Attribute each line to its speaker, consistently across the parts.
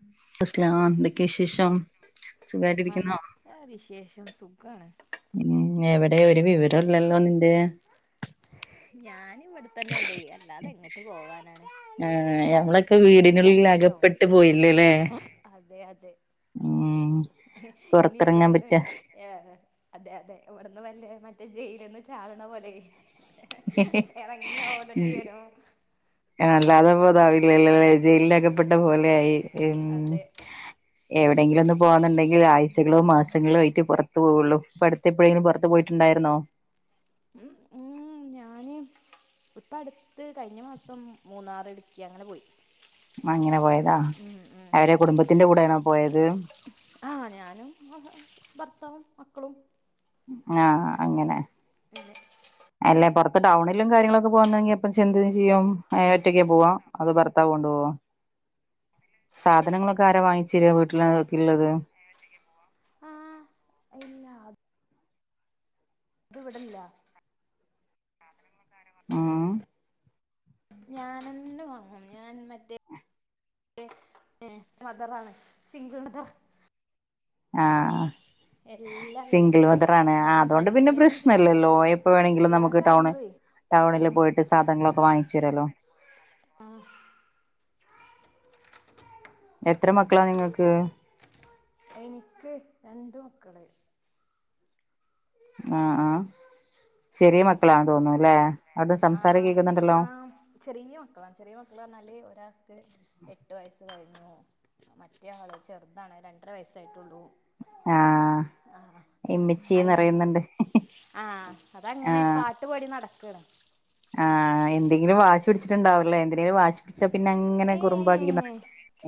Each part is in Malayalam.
Speaker 1: ഉം
Speaker 2: അസ്ലാം എന്തൊക്കെയ വിശേഷം സുഖമായിട്ട ഇരിക്കുന്നൊ?
Speaker 1: ആഹ് വിശേഷം സുഖാണ്
Speaker 2: ഉം എവിടെ ഒരു വിവരം ഇല്ലല്ലോ നിന്റെ?
Speaker 1: ഞാൻ ഇവിടെത്തന്നെ ഉണ്ട അല്ലാതെ എങ്ങിട്ട് പോവാനാണ്
Speaker 2: ഏഹ്
Speaker 1: അത്
Speaker 2: ഞമ്മളൊക്കെ
Speaker 1: ഇത് ഫ്ര-
Speaker 2: വീടിനുള്ളിൽ അകപ്പെട്ട് പോയില്ലേല്ലേ
Speaker 1: അതെ അതെ
Speaker 2: ഉം
Speaker 1: ഇനി
Speaker 2: പുറത്തിറങ്ങാൻ
Speaker 1: ഇവിടുന്ന്
Speaker 2: പറ്റ
Speaker 1: ഏഹ് അതെ അതെ ഇവിടെന്ന് വല്ലേ മറ്റേ ജയിലിന്ന് ചാടണ പോലെ ഇറങ്ങി ഓടേണ്ടി വരും
Speaker 2: ആല്ലാത ഇപ്പോ ഇതാവില്ലല്ലോ ജയിലിലകപ്പെട്ട പോലെ ആയി ഉം
Speaker 1: അതെ
Speaker 2: എവിടെയെങ്കിലും ഒന്ന് പോകന്നുണ്ടെങ്കിൽ ആഴ്ചകളോ മാസങ്ങളോ ആയിട്ട് പുറത്തു പോവുള്ളു എപ്പോഴെങ്കിലും പുറത് പോയിട്ടുണ്ടായിരുന്നോ?
Speaker 1: ഉം ഉം ഞാന് പ്പ അടുത്ത് കഴിഞ്ഞ മാസം മൂന്നാറ് ഇടുക്ക് അങ്ങനെ പോയി
Speaker 2: അങ്ങനെ പോയതാ
Speaker 1: ഉം ഉം
Speaker 2: അവരെ കുടുംബത്തിന്റെ കൂടെ ആണോ പോയത്?
Speaker 1: ആഹ് ഞാനും ഭർത്താവും മക്കളും
Speaker 2: ആഹ് അങ്ങനെ
Speaker 1: [unintelligible]
Speaker 2: അല്ലേ പുറത്തെ ടൗണിലും കാര്യങ്ങളൊക്കെ പോകുന്നെങ്ക അപ്പെ ജ എന്ത് ചെയ്യും ഏഹ് ഒറ്റയ്ക്ക പോവാ അതോ ഭർത്താവ് കൊണ്ട് പോവാ? സാധനങ്ങളൊക്കെ ആരാ വാങ്ങിച്ചിര വീട്ടിലെക്ക് ഉള്ളത്
Speaker 1: ആഹ് ഇല്ല ഇത് ഇവിടില്ല
Speaker 2: ഉം
Speaker 1: ഞാനന്നെ വാങ്ങും ഞാൻ മറ്റേ ഏ മദറാണ് സിംഗൾ മതറ
Speaker 2: ആഹ്
Speaker 1: എല്ലാ
Speaker 2: സിംഗിൾ
Speaker 1: കാര്യങ്ങളും
Speaker 2: വമതറാണ് ആ
Speaker 1: ഞാൻ
Speaker 2: അതുകൊണ്ട് പിന്നെ
Speaker 1: തനിച്ചെന്നെയാണ് ചെയ്യുന്നത്
Speaker 2: പ്രശ്നല്ലല്ലോ എപ്പ വേണെങ്കിലും
Speaker 1: എല്ലാ
Speaker 2: നമുക്ക് ടൗണ്
Speaker 1: കാര്യങ്ങളുവേ
Speaker 2: ടൗണിൽ പോയിട്ട് സാധനങ്ങളൊക്കെ വാങ്ങിച്ചു വരമല്ലോ
Speaker 1: ആഹ്
Speaker 2: എത്ര മക്കളാ നിങ്ങൾക്ക്
Speaker 1: എനിക്ക് രണ്ട് മക്കള്
Speaker 2: ആഹ് ആഹ് ചെറിയ മക്കളാ തോന്നുന്നു ല്ലേ അവിടുന്ന് സംസാരം
Speaker 1: ആഹ്
Speaker 2: കേക്കുന്നുണ്ടല്ലോ
Speaker 1: ആഹ് ചെറിയ മക്കളാണ് ചെറിയ മക്കള പറഞ്ഞാല് ഒരാൾക്ക് എട്ട് വയസ്സ് കഴിഞ്ഞു മറ്റേ ആൾ ചെറുതാണേ രണ്ടര വയസ്സായിട്ടുള്ളൂ
Speaker 2: ആഹ്
Speaker 1: ആഹ് അയിന്
Speaker 2: ഇമ്മിച്ചിന്ന്റയുന്നുണ്ട്
Speaker 1: ആഹ് അതങ്ങനെ പാട്ടുപാടി നടക്കാണ്
Speaker 2: ആഹ് എന്തെങ്കിലും വാശി പിടിച്ചിണ്ടാവില്ലോ എന്തെങ്കിലും വാശി പിടിച്ചാ പിന്നെ അങ്ങനെ
Speaker 1: ഏ
Speaker 2: കുറുമ്പാക്കി
Speaker 1: ഏ
Speaker 2: നടക്കല്ലേ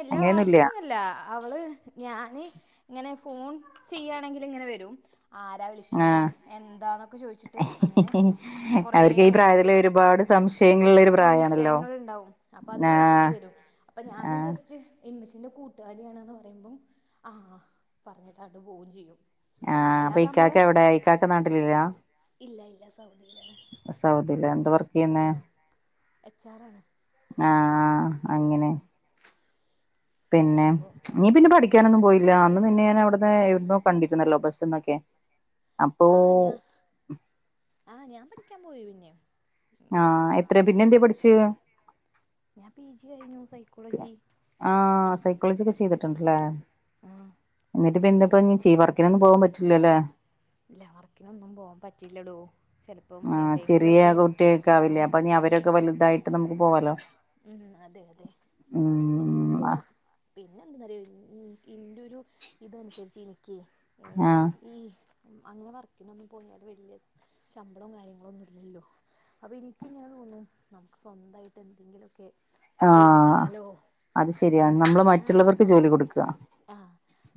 Speaker 1: എല്ലാ
Speaker 2: അങ്ങനെയൊന്നുല്ല
Speaker 1: വാശൊന്നല്ല അവള് ഞാന് ങ്ങനെ ഫോൺ ചെയാണെങ്കിൽ ഇങ്ങനെ വരും ആരാ വിളിക്കണേ
Speaker 2: ആഹ്
Speaker 1: എന്താന്നൊക്കെ ചോദിച്ചിട്ട് അങ്ങനെ കൊറേ
Speaker 2: ചുള്ള ഒരു പ്രായമാണല്ലോ
Speaker 1: ങ്ങള് ണ്ടാവും അപ്പൊ അത് ചോദിച്ചിട്ട് വരും അപ്പൊ ഞൻ
Speaker 2: ആഹ്
Speaker 1: ജസ്റ്റ് എമ്മച്ചിന്റെ കൂട്ടുകാരിയാണെന്ന് പറയുമ്പം ആഹ് പറഞ്ഞിട്ടങ്ങട്ട് പോവയും ചെയ്യും
Speaker 2: ആഹ് അപ്പൊ
Speaker 1: അല്ലാതെ നമ്മളെ
Speaker 2: ഈക്കാക്കെ എവിടെയാ ഇക്കാക്കെ നാട്ടിലില്ല
Speaker 1: ഇല്ല ഇല്ല സൗദിയിലാണ്
Speaker 2: സൗദിലാ എന്തവർക്ക്
Speaker 1: ആ എച്ച് ആറാണ്.
Speaker 2: ആഹ അങ്ങനെ പിന്നെ
Speaker 1: അപ്പോൾ
Speaker 2: നീ പിന്നെ പഠിക്കാനൊന്നും പോയില്ല അന്ന് നിന്നെ ഞാൻ അവിടന്ന് എവിടുന്നോ കണ്ടിരുന്നല്ലോ ബസ്ന്നൊക്കെ അപ്പൊ
Speaker 1: ആഹ ഞാ ആഹ് ഞാൻ പഠിക്കാൻ പോയി പിന്നെയും
Speaker 2: ആഹ എത്ര പിന്നെ എന്ത് പഠിച്ചയ്.
Speaker 1: ഞാൻ പി ജി കഴിഞ്ഞു സൈക്കോളജി
Speaker 2: ആ സൈക്കോളജി ഒക്കെ ചെയ്തിട്ടുണ്ടല്ലേ
Speaker 1: ആ
Speaker 2: എന്നിട്ട്പ്പ എന്തപ്പോ ചെയ് വർ വർക്കിനൊന്നും പോകൻ പറ്റില്ലല്ലേ.
Speaker 1: ഇല്ല വർക്കിനിന്നും പോകാൻ പറ്റില്ലടോ. ചിലപ്പം
Speaker 2: ആ ചെറിയ
Speaker 1: എവിടെയെങ്കിലുമൊക്കെ
Speaker 2: കുട്ടികൊക്ക
Speaker 1: ആ
Speaker 2: ആവില്ലേ അപ്പൊ ന അവരൊക്കെ വലുതായിട്ട് നമുക്ക് പോവാലോ!
Speaker 1: ഉം അതെ അതെ അപ്പൊ നമുക്ക്
Speaker 2: ഉം
Speaker 1: പോവാം. പിന്നെ എന്താനാടി എന്റെ ഒരു ഇതനുസരിച്ച് എനിക്ക്
Speaker 2: ആഹ്
Speaker 1: ഈ അങ്ങനെ വർക്കിനൊന്നന്ന് പോയാൽ വലിയ ശമ്പളം കാര്യങ്ങളോ ഒന്നും ഇല്ലല്ലോ അപ്പൊ എനിക്ക് ഇങ്ങനെ തോന്ന നമുക്ക് സ്വന്തമായിട്ട് എന്തെങ്കിലും ഓക്കെ
Speaker 2: ആഹ്
Speaker 1: ചെയ്താലോ
Speaker 2: അത്
Speaker 1: ആ
Speaker 2: ശരിയാണ് നമ്മള്
Speaker 1: ആഹ
Speaker 2: മറ്റുള്ളവർക്ക് ജോലി കൊടുക്കുക
Speaker 1: ആഹ്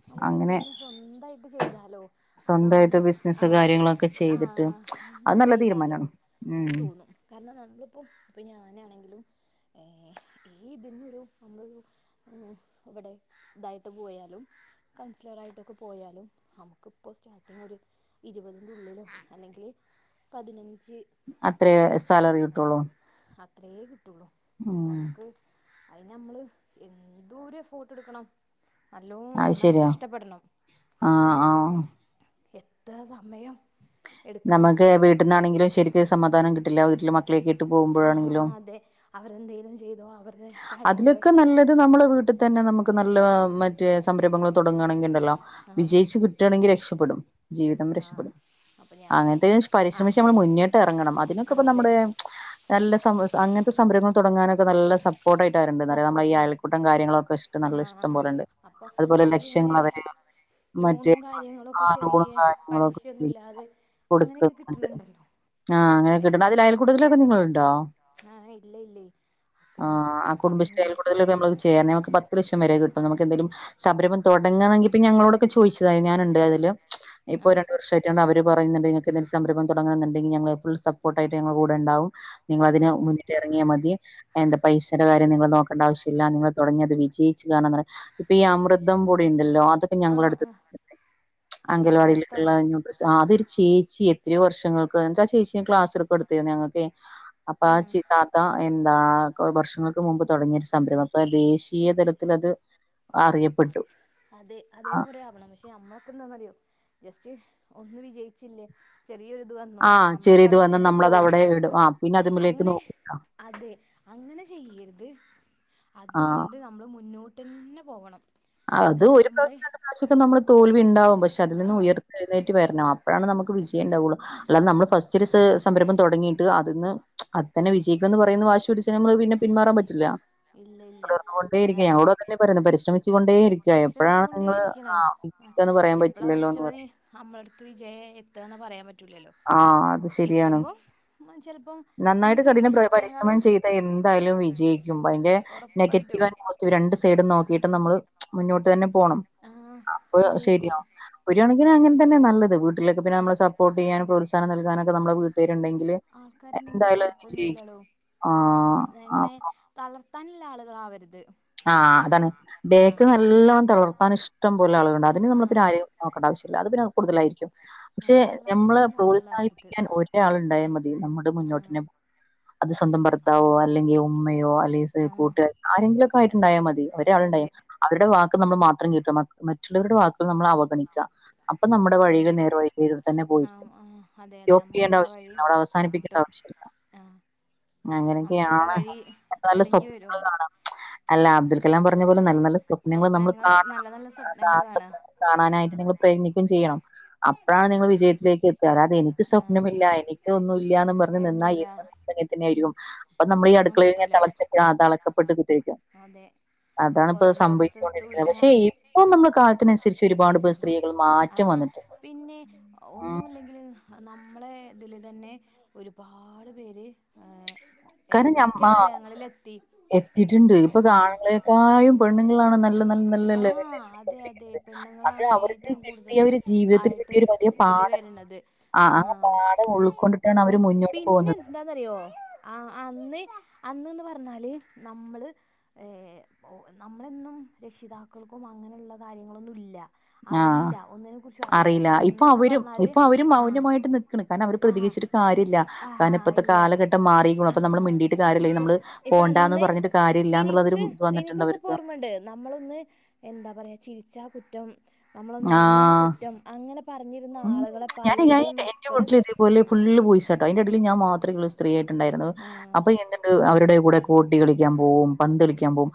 Speaker 1: നമുക്ക്
Speaker 2: അങ്ങനെ
Speaker 1: എന്തെങ്കിലും സ്വന്തായിട്ട് ചെയ്താലോ
Speaker 2: സ്വന്തമായിട്ട്
Speaker 1: അതാവുമ്പോ
Speaker 2: ബിസിനസ്സ്
Speaker 1: ആഹ
Speaker 2: കാര്യങ്ങളൊക്കെ ചെയ്തിട്ട്
Speaker 1: ആഹ
Speaker 2: അത്
Speaker 1: അങ്ങനെ
Speaker 2: നല്ല
Speaker 1: ചെയ്താലോ
Speaker 2: തീരുമാനമാണ് ഉം
Speaker 1: തോന്നും കാരണം നമ്മളിപ്പോ ഇപ്പൊ ഞാനാണെങ്കിലും ഈതിന്നൊരു നമ്മളൊരു ഉം ഇവിടെ ഇതായിട്ട് പോയാലും കൗൺസിലറ ആയിട്ടൊക്കെ പോയാലും. നമുക്കിപ്പോൾ സ്റ്റാർട്ടിങ് ഒരു ഇരുപതിൻ്റെ ഉള്ളിലോ അല്ലെങ്കിൽ പതിനഞ്ച്
Speaker 2: അത്രേ സാലറി കിട്ടുള്ളൂ.
Speaker 1: അത്രയേ കിട്ടുള്ളൂ. അപ്പ
Speaker 2: ഉം
Speaker 1: നമുക്ക് അതിന് നമ്മള് എതൊര ഫ്ട്ട് എടുക്കണം. നല്ലോ
Speaker 2: അത്
Speaker 1: നന്നായിട്ട്
Speaker 2: ശരിയാ
Speaker 1: കഷ്ടപ്പെടണം
Speaker 2: ആഹ് ആഹ്
Speaker 1: എത്ര സമയം എടുക്കണം
Speaker 2: നമുക്ക് വീട്ട നിന്നാണെങ്കിലും ശരിക്കരു സമാധാനം കിട്ടില്ല വീട്ടില് മക്കളെക്കെട്ട
Speaker 1: ആ അതെ അവരെന്തേങ്കലും ചെയ്തോ അവടെ കാര്യങ്ങള്
Speaker 2: ഇത് നമ്മളുടെ വീട്ടിൽ തന്നെ നമുക്ക് നല്ല മറ്റേ സംരംഭങ്ങൾ തുടങ്ങുകയാണെങ്കിൽ ഉണ്ടല്ലോ
Speaker 1: ആ
Speaker 2: വിജയിച്ച് കിട്ട കിട്ടാണെങ്കിൽ രക്ഷപ്പെടും ജീവിതം
Speaker 1: ആ
Speaker 2: രക്ഷപ്പെടും.
Speaker 1: അപ്പം ഞാൻ
Speaker 2: അങ്ങനത്തെ
Speaker 1: ആ
Speaker 2: പരിശ്രമിച്ച് നമ്മൾ മുന്നോട്ട് ഇറങ്ങണം അതിനൊക്കെ
Speaker 1: ആ
Speaker 2: ഇപ്പ
Speaker 1: അതെ
Speaker 2: നമ്മുടെ നല്ല സമു അങ്ങനത്തെ സംമരങ്ങൾ തുടങ്ങാനൊക്കെ നല്ല ഫോട്ടോ ആട്ടാരുണ്ട് പറ നമ്മള ഈ
Speaker 1: സപ്പോർട്ടുണ്ട്
Speaker 2: അയൽക്കൂട്ടം കാര്യങ്ങളൊക്കെ ഇഷ്ട
Speaker 1: ആ
Speaker 2: നല്ല
Speaker 1: ആ
Speaker 2: ഇഷ്ടംപലെണ്ട്
Speaker 1: അപ്പോൾ
Speaker 2: അതുപോലെ
Speaker 1: അതിലിങ്ങനെ
Speaker 2: ലക്ഷ്യങ്ങൾ വരെ
Speaker 1: ലോണും കാര്യങ്ങളുംക്കെ ചെറിയ പലിശയൊന്നുമല്ലാതെ
Speaker 2: കൊടുകന്നത് ആഹ് അങ്ങനെ
Speaker 1: ഏ
Speaker 2: കിട്ട അതിൽ അയൽ കൂട്ടതിലൊക്കെ നിങ്ങളുണ്ടോ?
Speaker 1: ആ ഇല്ല ഇല്ല പിന്നെ
Speaker 2: ആഹ് ആഹ് കുടുംബശ്രീയിൽ
Speaker 1: തുടങ്ങിയിട്ട്
Speaker 2: ആയൽകൂടുതലൊക്കെ നമ്മ ചേരണംനമക്ക് പ പത്ത് ലക്ഷംവരെ കിട്ടും നമുക്കെന്തെലും സംരംഭം തുടങ്ങുകണെങ്കിപ്പ ഞങ്ങളോടൊക്കെ ചോദിച്ചത ഞാനുണ്ട് അതില് ഇപ്പോ
Speaker 1: ആ
Speaker 2: രണ്ട് വർഷമായിട്ട അവര് പറയുന്നു എന്ത സംരംഭം തുടങ്ങണ്ടങ്കി ഫുൾ സപ്പോർട്ടായിട്ട് കൂടെ ഉണ്ടാവും. നിങ്ങളതിന് മുന്നിട്ട് ഇറങ്ങിയാൽ മതി എന്താ പൈസയുടെ കാര്യം നിങ്ങൾ നോക്കേണ്ട ആവശ്യല്ല നിങ്ങൾ തുടങ്ങിയത് വിജ ച്ച് കാണും ഇപ്പൊ ഈ അമൃതം പൊടി ഉണ്ടല്ലോ അതക്കെ
Speaker 1: ആ ആ
Speaker 2: ഞങ്ങളടുത്ത്
Speaker 1: ആ
Speaker 2: കിട്ടി ണ്ട്
Speaker 1: ഏ
Speaker 2: അംഗൽവാടിയിലക്കുള്ള
Speaker 1: അടുത്താണോ
Speaker 2: അതൊരു ചേച്ചി എത്രയോ വർഷങ്ങൾക്ക് എന്നിട്ട് ആഹ് ചേച്ചിയ ക്ലാസ്ടുക്കെ എടുത്തരുന്നു ഞങ്ങൾക്ക്
Speaker 1: ആഹ്
Speaker 2: അപ്പോചിതാത്ത എന്താ വർഷങ്ങൾക്ക് മുമ്പ് തുടങ്ങിരു സംരംഭം അപ്പൊ ദേശീയതലത്തിൽ അത് അറിയപ്പെട്ടു.
Speaker 1: അതെ
Speaker 2: ആ
Speaker 1: അതേപലെ ആവണം പക്ഷെ അമ്മക്ക എന്താന്ന അറിയോ ജസ്റ്റ് ഒന്ന വിജയിച്ചില്ലേ. ചെറിയൊരിത് വന്നു
Speaker 2: ആ
Speaker 1: നമ്മളക്കെ
Speaker 2: ചെറിയത്
Speaker 1: അത്
Speaker 2: വന്ന്
Speaker 1: ഇട്ടിട്ട്
Speaker 2: നമ്മളത്
Speaker 1: പോവും.
Speaker 2: അവിടെ ഇടും ആ പിന്നെ അതിലേക്ക്
Speaker 1: അങ്ങനെ
Speaker 2: നോക്കും
Speaker 1: അതെ അങ്ങനെ ചെയ്യരുത്. അത്
Speaker 2: ആ
Speaker 1: കൊണ്ട് നമ്മൾ മുന്നോട്ട്ന്നെ പോവണം.
Speaker 2: അത് ഒരു പ്രാവശ്യം രണ്ട് പ്രാവശ്യക്കെ നമ്മള് തോൽവിണ്ടാവും പക്ഷെതിൽ നിന്ന്
Speaker 1: ആ
Speaker 2: ഉയർത്തി എഴുന്നേറ്റ് വര്ണം അപ്പഴാണ് നമുക്ക് വിജയണ്ടാവുള്ളൂ അല്ലാ നമ്മള് ഫസ്റ്റ് രു സ് സംരംഭം തുടങ്ങിയിട്ട് അത് ന്ന് അത് തന്നെ വിജയിക്കണംന്ന് പറയുന്ന വാശ് ട്‌ച്ചെ പിന്നെ പിന്മാറാൻ പറ്റില്ല
Speaker 1: ഇല്ല ഇല്ല
Speaker 2: തുടർന്ന് കൊണ്ടേരിക്ക
Speaker 1: അതാണ്
Speaker 2: ഞങ്ങളോടുംതന്നെ പറിനെ പരിശ്രമി ളിച്ച്കൊണ്ടേ ഇരിക്ക
Speaker 1: പരിശ്രമിച്ചു
Speaker 2: എപ്പഴാണ് നിങ്ങള്
Speaker 1: കൊണ്ടേയിരിക്കണം
Speaker 2: ആഹ് വിള്കന്ന് പറയാ പറ്റില്ലല്ലോന്ന് പറയാ
Speaker 1: നമ്മളെട്ത്ത് വിജയം എത്തന്ന് പറയാ പറ്റു റ്റൂലലോ
Speaker 2: ആഹ് അത് ശരിയാണ്.
Speaker 1: എത്തുമ്പോ ഉം ചെലപ്പോം ഞമ്മള്
Speaker 2: നന്നായിട്ട് കഠിന പ്ര പരിശ്രമം
Speaker 1: പ്രതീക്ഷിച്ചേക്കാളും
Speaker 2: ചെയ്താ എന്തായാലും വിജയിക്കുമ്പയ്ന്റെ നെഗറ്റീവ്
Speaker 1: ഉറപ്പായിട്ടും
Speaker 2: ആന്റ് പോ രണ്ട് സൈഡും നോക്കിയിട്ട് നമ്മള് മുന്നോട്ട് തന്നെ പോണം.
Speaker 1: ആഹ്
Speaker 2: അപ്പൊ
Speaker 1: വിജയിക്കും
Speaker 2: ശെരിയാവും ഒരു കണക്കിനങ്ങൻതന്നെ നല്ലത് വീട്ടിലൊക്കെ പിന്നെ നമ്മളെ സപ്പോർട്ടെയ്യാനും അവസാനം നൽകാനൊക്കെ നമ്മളെ വീട്ടാരുണ്ടെങ്കില്
Speaker 1: ആൾക്കാരുണ്ടെങ്കിൽ
Speaker 2: എന്തായാലൊന്ന് ജീവിക്കും.
Speaker 1: കൊഴപ്പൊന്നുല്ലല്ലോ
Speaker 2: ആഹ് ആഹ് ആഹ്
Speaker 1: തളർത്താനില്ല ആളുകളാവര്ത്
Speaker 2: ആഹ് അതാണ് ബേക്ക് നല്ലോം തിളർത്താൻ ഇഷ്ടം പോലെ അള്കള്ണ്ടാവു അതിന്
Speaker 1: ആഹ്
Speaker 2: നമ്മളപിന്നാരെയും നോക്കണ്ട ആവശ്യല്ല അത് പിന്നെ കൂടുതലായിരിക്കും പക്ഷെ
Speaker 1: ആഹ്
Speaker 2: ഞമ്മളെ
Speaker 1: തളർത്താനുള്ള ആളുകളാവരുത്
Speaker 2: പ്രോത്സാഹിപ്പിക്കാൻ ഒരു ഒരാളുണ്ടായ മതി നമ്മുടെ
Speaker 1: ആഹ്
Speaker 2: മുന്നോട്ടിനെ അത് സ്വന്തം ഭർത്താവോ അല്ലെങ്കി ഉമ്മയോ അല്ലെ
Speaker 1: ആഹ്
Speaker 2: കൂട്ടുകാര് ആരെങ്കിലൊക്കെ ആയിട്ടുണ്ടായാമതി ഒരാളുണ്ടായ
Speaker 1: അതെ
Speaker 2: അവരുടെ വാക്ക് നമ്മൾ മാത്രം കേക്ക മ മറ്റുള്ളവരുടെ വാക്കുകൾ നമ്മൾ അവ വഗണിക്ക അപ്പൊ നമ്മടെ വഴിയില്
Speaker 1: അതെ
Speaker 2: നേർവഴി വഴതന്നെ
Speaker 1: നാം
Speaker 2: പോയിരിക്കും
Speaker 1: ആഹ് അതെ
Speaker 2: യോ
Speaker 1: അതെ
Speaker 2: പെയ്യേണ്ട
Speaker 1: നമുക്കുള്ള വഴി
Speaker 2: ആവ അവസാനിപ്പിക്കേണ്ട
Speaker 1: കിട്ടും
Speaker 2: ആവശ്യല്ല
Speaker 1: ആഹ് നമുക്കില്ല
Speaker 2: അങ്ങനെയൊക്കെയാണ്
Speaker 1: വഴി
Speaker 2: നല്ല
Speaker 1: തെളിഞ്ഞു
Speaker 2: സ്വപ്നങ്ങൾ
Speaker 1: വരും
Speaker 2: കാണ അല്ല അബ്ദുൽ കലാം പറഞ്ഞ പോലെ നല്ല നല്ല സ്വപ്നങ്ങൾ നമ്മൾ കാണണം
Speaker 1: നല്ല നല്ല സ്വപ്നങ്ങൾ കാണാ
Speaker 2: കാണാനായിട്ട് നിങ്ങൾ പ്രയത്നിക്കും ചെയ്യണം അപ്പഴാണ് നിങ്ങൾ വിജയത്തിലേക്ക് എത് കേറാതെ എനിക്ക്
Speaker 1: ആഹ്
Speaker 2: സ്വപ്നമില്ല എനിക്ക് ഒന്നും ഇല്യാന്ന് പർഞ്ഞ് നിന്ന
Speaker 1: അതൊന്നുല്ല
Speaker 2: എന്നുംങ്ങൻതന്നെ ആയിരിക്കും ഇപ്പന്നമ്മളീ
Speaker 1: ഒന്നും
Speaker 2: അടുക്കളെഴ്ലിങ്ങനെ
Speaker 1: കിട്ടൂല
Speaker 2: തിളച്ചപ തെളക്കപ്പെട്ട് കുത്തിരിക്ക.
Speaker 1: അതെ
Speaker 2: അതാണ്പ്പോ
Speaker 1: പുറം
Speaker 2: സംഭവിച്ചു കൊണ്ടിരിക്കന്നത്
Speaker 1: ലോകത്തെത്തൂല്ല
Speaker 2: പക്ഷെ ഇപ്പം നമ്മള് കാലത്തിനനുസരിച്ച് ഒരുപാട്പ്പോ
Speaker 1: ഒന്നുല്ല
Speaker 2: സ്ത്രീകൾ മാറ്റം
Speaker 1: ആഹ്
Speaker 2: വന്നിട്ടു
Speaker 1: പിന്നെ ഒന്നുല്ലെങ്കില് നമ്മളെ ത്‌ല് തന്നെ ഒരുപാട് പേര്
Speaker 2: കാരണം ഞമ്മ
Speaker 1: എന്തക്കെ തലങ്ങളിലെത്തി
Speaker 2: എത്തിയിട്ടുണ്ട് ഇപ്പൊ
Speaker 1: ആഹ്
Speaker 2: ആണുങ്ങളെക്കായും പെണ്ണുങ്ങളാണ് നല്ല നല്ല നല്ല ലെവലിൽ
Speaker 1: ആഹ് അതെ അതെ
Speaker 2: എത്തിക്കൊണ്ടിരിക്കുന്നത് അത്
Speaker 1: പെണ്ണുങ്ങളാണ്
Speaker 2: അവർക്ക്
Speaker 1: ഏറ്റവും കൂടുതൽ
Speaker 2: കിട്ടിയ ഒരു ജീവിതത്തിൽ
Speaker 1: ആയിട്ട്
Speaker 2: കിട്ടിയ ഒരു വലിയ
Speaker 1: ഇതില്
Speaker 2: പാഠം
Speaker 1: വെര്ണത്
Speaker 2: ആ ആ
Speaker 1: ആഹ്
Speaker 2: പാഠം ഉൾക്കൊണ്ടിട്ടാണ്
Speaker 1: അപ്പൊ
Speaker 2: അവര് മുന്നോട്ട് പോകുന്നത്
Speaker 1: പിന്നെന്താന്നറിയോ അ അന്ന് അന്ന്ന്ന് പർഞ്ഞാല് നമ്മള് ഏഹ് ഒ നമ്മളെന്നും രക്ഷിതാക്കൾക്കും അങ്ങനെള്ള കാര്യങ്ങളൊന്നും ഇല്ല
Speaker 2: ആഹ്
Speaker 1: അറീല ഒന്നിനെ കുറിച്ചും അറീല
Speaker 2: അറിയില്ല
Speaker 1: പക്ഷെ
Speaker 2: ഇപ്പൊ
Speaker 1: ഇന്ന്ന്ന്
Speaker 2: അവരും
Speaker 1: പർഞ്ഞാല്
Speaker 2: ഇപ്പൊ അവരും
Speaker 1: ആഹ്
Speaker 2: മൗനമായിട്ട് നിൽക്കണ് കാരണം അവര്
Speaker 1: ആഹ്
Speaker 2: പ്രതികരിച്ചിട്ട് കാര്യല്ല കാരണം
Speaker 1: ആഹാ
Speaker 2: ഇപ്പത്തെ
Speaker 1: ഇല്ല
Speaker 2: കാലഘട്ടം മാറിക്ക്ണു. ഇപ്പാ നമ്മള്
Speaker 1: ആഹാ
Speaker 2: മിണ്ടീട്ട് കാര്യല്ല ഇനി
Speaker 1: ഇപ്പൊ
Speaker 2: നമ്മള്
Speaker 1: ഇപ്പൊ
Speaker 2: പോണ്ടാന്ന്
Speaker 1: അന്ന്
Speaker 2: പറഞ്ഞിട്ട് കാര്യല്ലന്നുള്ളതൊരു വന്നിട്ടുണ്ടവർക്ക്
Speaker 1: ഉണ്ട് നമ്മളൊന്ന് എന്താ പറയ ചിരിച്ചാ കുറ്റം നമ്മളൊന്നനങ്ങിയാ
Speaker 2: ആഹ്
Speaker 1: കുറ്റം അങ്ങന പറഞ്ഞിരുന്ന ആളുകളാ പലരുടെയും മക്കള്
Speaker 2: അതുപോലെ ഫുള്ള് ബോയിസ്സാട്ടോ അതിന്റെ ഇടയില് ഞാൻ മാത്രേള്ളൂ സ്ത്രീ ആയിട്ടുണ്ടായിരുന്നത്
Speaker 1: ആ
Speaker 2: അപ്പൊ എന്ത്ണ്ട് അവരുടെ കൂടെ ഗോട്ടി കളിക്കാൻ പോവും പന്ത്‌ കളിക്കാൻ പോം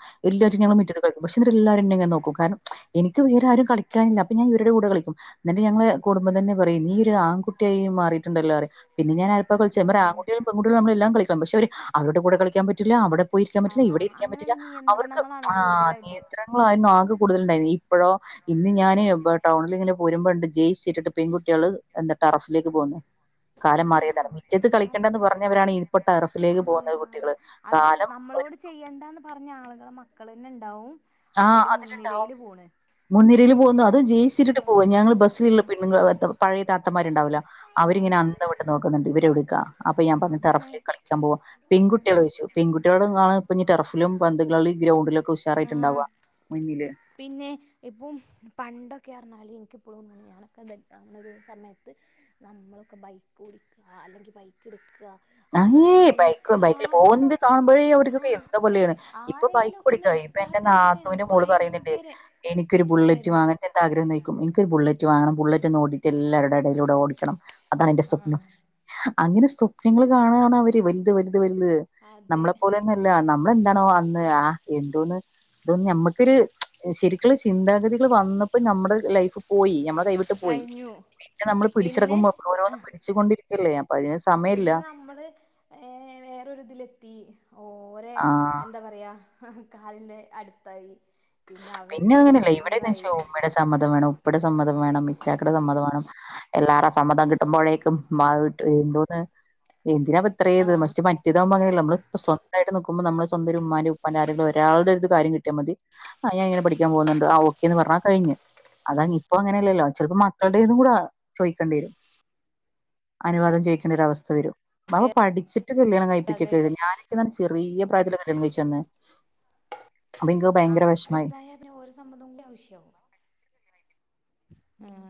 Speaker 1: ആ
Speaker 2: എല്ലാറ്റും ഞങ്ങ മിറ്റത്ത് കളിക്കും പക്ഷെ എല്ലാരും ന്നെങ്ങെ നോക്കും കാരണം എനിക്ക് വേറാരും കളിക്കാനില്ല അപ്പ ഞാൻ ഇവരുടെ കൂടെ കളിക്കും. ന്നിട്ട് ഞങ്ങള് കുടുംബം തന്നെ പറയും നീ ഒരു ആൺകുട്ട്യായി മാറി റ്റ്ണ്ടല്ലോറിം പിന്ന ഞാനാരോപ്പ കളിച്ചേ ഞാ
Speaker 1: ആ
Speaker 2: പറയും ആങ്കുട്ട്യാളിം പെങ്കുട്ട്യാളെ മ്മളെല്ലാം കളി പക്ഷെ അവര് അവരുടെ കൂടെ കളിക്ക്യാൻ പറ്റില്ല അവിടെ പോയിരിക്കാൻ
Speaker 1: ആ
Speaker 2: പറ്റില്ല ഇവിടെ ഇരിക്കാൻ പറ്റില്ല
Speaker 1: അങ്ങനെയുള്ള
Speaker 2: അവർക്ക്
Speaker 1: നിയന്ത്രണങ്ങളാണ്
Speaker 2: ആഹ്
Speaker 1: കൂടുതലായിട്ട്
Speaker 2: നിയന്ത്ര ണായിരുന്നു ആകെ കൂടുതലുണ്ടായി ഇപ്പഴോ. ഇന്ന് ഞാന് ടൗണിൽങ്ങനെ പോരുമ്പണ്ട് ജെയ്സി സിട്ടിട്ട് പെങ്കുട്ട്യാള് എന്താ ടറഫിലേക്ക് പോന്നു കാലം
Speaker 1: ആ
Speaker 2: മാറിയതാണ്. മിറ്റത്ത് കളിക്കേണ്ടെന്ന്
Speaker 1: കാലമായ
Speaker 2: പറഞ്ഞവരാണ് ഇപ്പൊ ടെറഫിലേക്ക് പോകുന്നത്
Speaker 1: ആ
Speaker 2: കുട്ടികള്.
Speaker 1: അത്
Speaker 2: കാലം ഒരു
Speaker 1: നമ്മളോട് ചെയ്യണ്ടാന്ന് പറഞ്ഞ ആളുകളെ മക്കൾ തന്നെ ണ്ടാവും അയില് മുൻനെരയില് പോണ്
Speaker 2: മുൻനിരിയിൽ പോകുന്നു അത് അതും ജീൻസിട്ടിട്ട്
Speaker 1: പോണ്ടാവും
Speaker 2: പോവാ ഞങ്ങൾ
Speaker 1: ആ
Speaker 2: ബസ്സിലുള്ള പെണ്ണുങ്ങള് പഴയ താത്തമാരുണ്ടാവല്ലോ
Speaker 1: ആ
Speaker 2: അവരിങ്ങനെ അന്തം വിട്ട് നോക് ക്കുന്നുണ്ട് ഇവരെടുക്ക അപ്പൊ ഞാൻ പറഞ്ഞ് ടെറഫിൽ
Speaker 1: അതാണ്
Speaker 2: കളിക്കാൻ പോവാ
Speaker 1: അതാണ്
Speaker 2: പെൺകുട്ടികളോയ്ച്ചു പെൺകുട്ട്യോളെന്താണ് ഇപ്പ ഇനി ടെറഫിലും പന്ത്കളി ഗ്രൗണ്ടിലൊക്കെ
Speaker 1: ആഹ്
Speaker 2: ഉഷാറായിട്ടുണ്ടാവാ മുന്നില്
Speaker 1: പിന്നെ ഇപ്പം പണ്ടൊക്കെ പറഞ്ഞാൽ എനിക്കിപ്പോളും [inaudible] ഞാനൊക്കെ അങ്ങനെ ഒരു സമയത്ത് നമ്മളൊക്കെ ബൈക്ക് ഓടിക്ക അല്ലെങ്കിൽ ബൈക്ക് എട്ക്ക
Speaker 2: അയ്യേ ബൈക്ക് ബൈക്കിൽ പോകുന്നത് കാണുമ്പോഴേ അവർക്കൊക്കെ
Speaker 1: ആഹ്
Speaker 2: എന്തോ പോലെയാണ് ഇപ്പൊ
Speaker 1: ആരേലും
Speaker 2: ബൈക്ക്
Speaker 1: ഒക്കെ ഒന്ന്
Speaker 2: ഓടിക്കായി ഇപ്പൊ
Speaker 1: എടുത്താ
Speaker 2: എന്റെ
Speaker 1: തന്നെ
Speaker 2: നാത്തൂന്റെ
Speaker 1: നമുക്ക്
Speaker 2: മോള് പറയുന്നുണ്ട്
Speaker 1: ഭയങ്കര
Speaker 2: എനിക്കൊരു ബുള്ളറ്റ്
Speaker 1: ഇതായിരുന്നു
Speaker 2: വാങ്ങറ്റേന്ന് ആഗ്രഹംന്നോയിക്കും എനിക്കൊരു ബുള്ളറ്റ് വാങ്ങണം ബുള്ളറ്റ് ഒന്ന് ഓടിട്ട് എല്ലാവരുടെം എടയിലൂടെ ഓടിക്കണം അതാാണ് എന്റെ സ്വപ്നം അങ്ങനെ സ്വപ്നങ്ങള് കാണാണ് അവര് വലുത് വലുത് വലുത്
Speaker 1: അതെ
Speaker 2: നമ്മളെപ്പോലെ ന്നും അല്ല നമ്മളെന്താണോ അന്ന് ആഹ് എന്തോന്ന് ഇതൊന്ന് നമ്മക്കൊരു ശരിക് ക്കുള്ള ചിന്താഗതികള് വന്നപ്പോ നമ്മുടെ ലൈഫ് പോയി ഞമ്മളെ കൈവിട്ട് പോയി
Speaker 1: കഴിഞ്ഞു
Speaker 2: പിന്നെ നമ്മള്
Speaker 1: പിന്നെ
Speaker 2: പിടിച്ചെടക്കുമ്പോൾ ഒരോന്നും
Speaker 1: ആഹ്
Speaker 2: പിടിച്ചുകൊണ്ടിരിക്കല്ലേ അപ്പൊ അതിന് സമയംല്ല
Speaker 1: പിന്നെ നമ്മള് ഏഹ് വേറൊരിതിലെത്തി ഓരെ
Speaker 2: ആ
Speaker 1: എന്താ പറയാ കാലിന്റെ അടുത്തായി അവര്
Speaker 2: പിന്നെ അങ്ങനെയല്ല ഇവിടെന്ന്
Speaker 1: തീരുമാനിക്കണതായി
Speaker 2: വെച്ചാ ഉമ്മയുടെ സമ്മതം വേണം ഉപ്പാടെ സമ്മതം വേണം ഇക്കാക്കടെ സമ്മതം വേണം എല്ലാരെ സമ്മതം കിട്ടുമ്പോഴേക്കും [unintelligible] എന്തോന്ന് എന്തിനാപ്പ ഇത്രേ ഇത്
Speaker 1: ആഹ്
Speaker 2: [unintelligible] മറ്റേതാവുമ്പ അങ്ങനെല്ല നമ്മള് സ്വന്തായിട്ട് നിക്കുമ്പോ നമ്മള് സ്വന്തം ഒരു ഉമ്മാന്റെം ഉപ്പന്റെം ആരെങ്കിലും ഒരാളുടെ ഒരു കാര്യം കിട്ടിയാൽ മതി ആഹ് ഞാന് ഇങ്ങനെ പഠിക്കാൻ പോകുന്നുണ്ട് ആഹ് ഓക്കെ എന്ന് പറഞ്ഞാ കഴിഞ്ഞ് അതാണ് ഇപ്പൊ അങ്ങനെയല്ലല്ലോ ചെലപ്പോ മക്കളുടെ ഇതും കൂടെ ചോയിക്കേണ്ടി വരും അനുവാദം ചോയ്ക്കേണ്ടാ ഒരവസ്ഥ
Speaker 1: അതെ
Speaker 2: [unintelligible] പഠിച്ചിട്ട് കല്യാണം കഴി
Speaker 1: അതെ
Speaker 2: പ്പിക്കേക്കെ ഞാനൊക്കെന്ന് പറഞ്ഞ ചെറിയ പ്രായത്തിൽ കല്യാണം കഴിച്ചു വന്നേ അപ്പെനിക്
Speaker 1: ആഹ് മക്കൾ വല്തായ ഓരെ സമ്മതം കൂടെ ആവശ്യാവും ഉം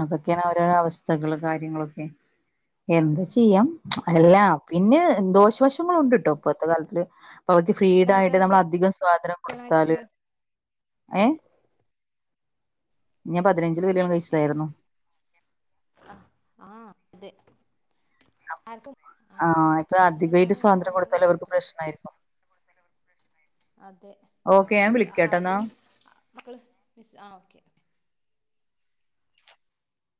Speaker 2: അതൊക്കെയാണ് ഓരോരോ അവസ്ഥകള് കാര്യങ്ങളൊക്കെ എന്ത് ചെയ്യാം അല്ല പിന്നെ ദോഷവശ ങ്ങള്ണ്ടുട്ടോ ഇപ്പത്തെ കാലത്തില് പകുതി ഫ്രീഡം
Speaker 1: എത്രാമത്തെ
Speaker 2: ആയിട്ട് നമ്മള്
Speaker 1: വയസ്സായി
Speaker 2: അധികം സ്വാതന്ത്ര്യം
Speaker 1: കല്യാണം
Speaker 2: കൊടുത്താല്
Speaker 1: കഴിച്ചിട്ടുണ്ട്
Speaker 2: ഏഹ് ഞാൻ പതിനഞ്ചില് കല്യാണം
Speaker 1: ഏഹ്
Speaker 2: കഴിച്ചതായിരുന്നു
Speaker 1: ആഹ് ആഹ അതെ ആർക്കും ആ
Speaker 2: ആഹ് ഇപ്പൊ
Speaker 1: ഞാപ്പതിനാറ്
Speaker 2: അധികായിട്ട്
Speaker 1: കഴിഞ്ഞപ്പൊ
Speaker 2: സ്വാതന്ത്ര്യം
Speaker 1: തന്നെ ഞാൻ
Speaker 2: കൊടുത്താല്
Speaker 1: കല്യാണം
Speaker 2: അവർക്ക് പ്രശ്നായിരിക്കും.
Speaker 1: കഴിച്ച്ട്ട് അതെ
Speaker 2: ഓക്കെ
Speaker 1: അവർ
Speaker 2: ഞാൻ വിളിക്കാട്ടൊന്നാ.
Speaker 1: അതും മക്കള് മിസ് ആ ഓക്കെ